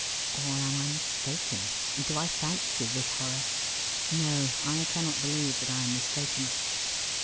(Or am I mistaken, and do I fancy this horror? No; I cannot believe that I am mistaken.)